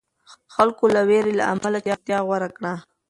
خلکو د وېرې له امله چوپتیا غوره کړه.